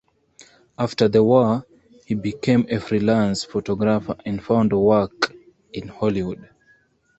After the war, he became a freelance photographer and found work in Hollywood.